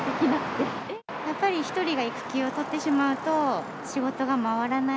やっぱり１人が育休を取ってしまうと、仕事が回らない。